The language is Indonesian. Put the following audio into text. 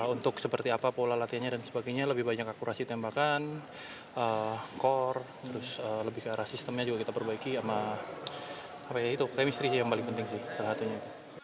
untuk seperti apa pola latihannya dan sebagainya lebih banyak akurasi tembakan core terus lebih ke arah sistemnya juga kita perbaiki sama kemistri sih yang paling penting sih salah satunya